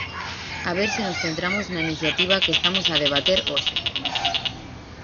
A ver se nos centramos na iniciativa que estamos a debater hoxe.